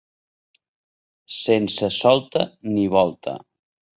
Sense solta ni volta.